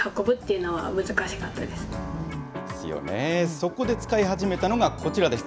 そこで使い始めたのがこちらです。